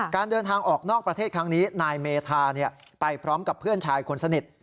การเดินทางออกนอกประเทศครั้งนี้นายเมธาไปพร้อมกับเพื่อนชายคนสนิท